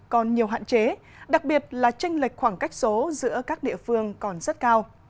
còn nhiều hạn chế đặc biệt là tranh lệch khoảng cách số giữa các địa phương còn rất cao